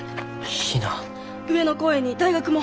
上野公園に大学も。